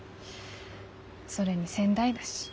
それに仙台だし。